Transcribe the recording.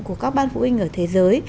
của các ban phụ huynh ở thế giới